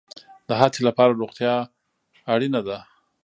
د هڅې لپاره روغتیا اړین ده